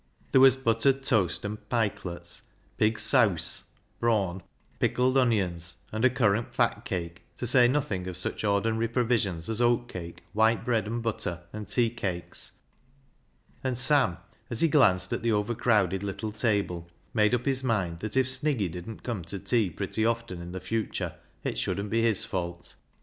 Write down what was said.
There was buttered toast and "pikelets," " pig seause " (brawn), pickled onions, and a currant fatcake, to say nothing of such ordinary provisions as oatcake, white bread and butter, and tea cakes, and Sam, as he glanced at the overcrowded little table, made up his mind that if Sniggy didn't come to tea pretty often in the future it shouldn't be his fault.